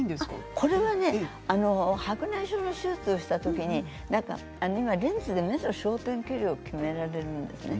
これはね、白内障の手術をしたときにレンズで目の焦点距離を決められるんですね。